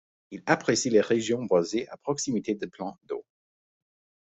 Il apprécie les régions boisées à proximité de plans d’eau.